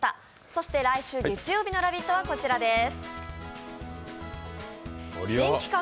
そして来週月曜日の「ラヴィット！」はこちらです。